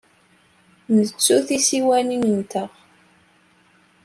Nettu tisiwanin-nteɣ.